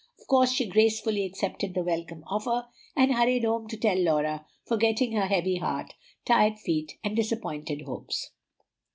Of course she gratefully accepted the welcome offer, and hurried home to tell Laura, forgetting her heavy heart, tired feet, and disappointed hopes.